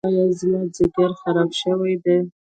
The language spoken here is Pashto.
ایا زما ځیګر خراب شوی دی؟